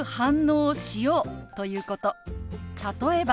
例えば。